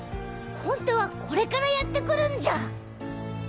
本当はこれからやってくるんじゃ？